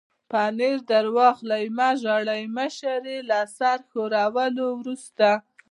پنیر در واخلئ، مه ژاړئ، مشرې یې له سر ښورولو وروسته.